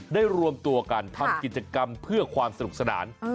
รวมตัวกันทำกิจกรรมเพื่อความสนุกสนาน